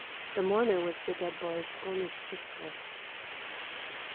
The mourner was the dead boy's only sister.